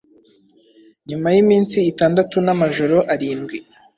Nyuma yiminsi itandatu namajoro arindwi